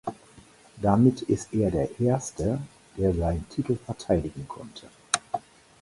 Damit ist er der Erste, der seinen Titel verteidigen konnte.